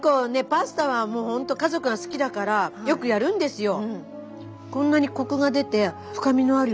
パスタは本当家族が好きだからよくやるんですよ。